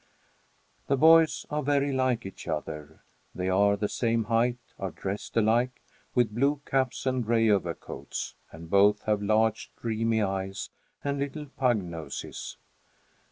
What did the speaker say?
The boys are very like each other. They are the same height, are dressed alike, with blue caps and gray overcoats, and both have large dreamy eyes and little pug noses.